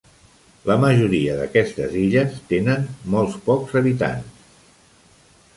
La majoria d'aquestes illes tenen molt pocs habitants.